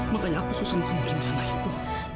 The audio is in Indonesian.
makanya aku susun sebuah rencana itu